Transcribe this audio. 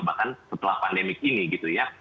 bahkan setelah pandemik ini gitu ya